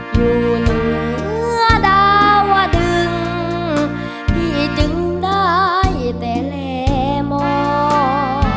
อยู่เหนือดาว่าดึงพี่จึงได้แต่แลมอง